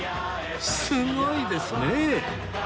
すごいですね！